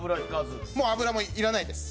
もう油もいらないです。